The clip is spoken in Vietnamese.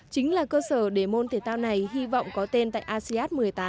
chính là cơ sở để môn thể thao này hy vọng có tên tại asean một mươi tám